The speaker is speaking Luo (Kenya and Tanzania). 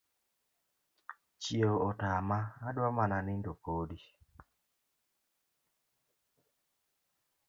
Chieo otama adwa mana nindo podi